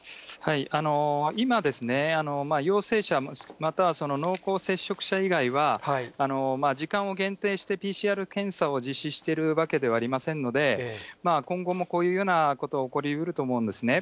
今、陽性者、または濃厚接触者以外は、時間を限定してＰＣＲ検査を実施しているわけではありませんので、今後もこういうようなことは起こりうると思うんですね。